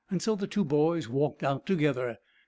So the two boys walked out together.